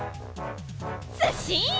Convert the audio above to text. ずっしん！